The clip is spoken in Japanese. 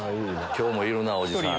今日もいるなおじさん。